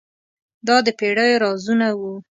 دا د پیړیو رازونه وو.